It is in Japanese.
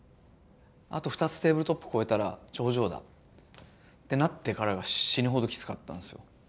あと２つテーブルトップ越えたら頂上だ」ってなってからが死ぬほどきつかったんですよ。